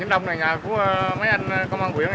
những đông này là nhà của mấy anh công an quyển